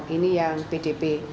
ini yang pdp